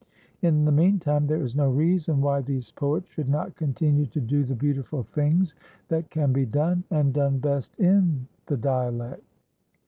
In the meantime, there is no reason why these poets should not continue to do the beautiful things that can be done, and done best, in the dialect.